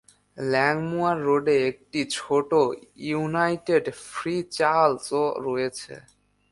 ল্যাংমুয়ার রোডে একটি ছোট ইউনাইটেড ফ্রি চার্চও রয়েছে।